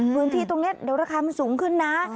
พื้นที่ตรงนี้เดี๋ยวราคามันสูงขึ้นนะ